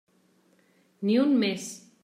Ni un més.